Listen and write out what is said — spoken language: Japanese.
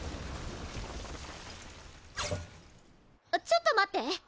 ちょっと待って！